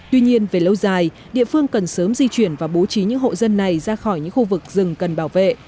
tuy nhiên về lâu dài địa phương cần sớm di chuyển và bố trí những hộ dân này ra khỏi những khu vực rừng cần bảo vệ